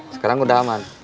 sekarang udah aman